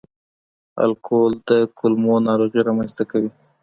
الکول د کولمو ناروغي رامنځ ته کوي.